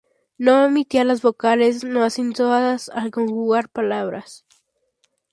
No omitía las vocales no acentuadas al conjugar palabras.